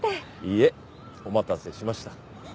いえお待たせしました。